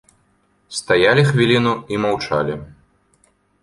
Стаялі хвіліну і маўчалі.